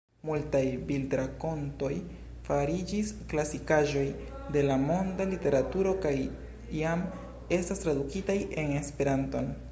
Multaj bildrakontoj fariĝis klasikaĵoj de la monda literaturo kaj jam estas tradukitaj en Esperanton.